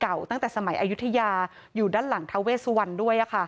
เจดีเก่าตั้งแต่สมัยอายุทยาอยู่ด้านหลังเท้าเวสวรรค์ด้วย